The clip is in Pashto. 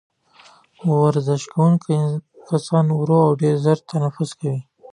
ورزش کوونکي کسان ورو او ډېر ژور تنفس کوي.